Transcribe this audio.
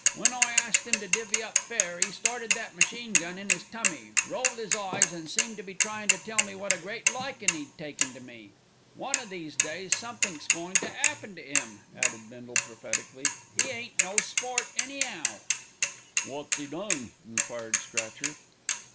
When I asked him to divvy up fair, 'e started that machine gun in 'is tummy, rolled 'is eyes, an' seemed to be tryin' to tell me wot a great likin' 'e'd taken to me. One o' these days somethink's goin' to 'appen to 'im," added Bindle prophetically. "'E ain't no sport, any'ow." "Wot's 'e done?" enquired Scratcher.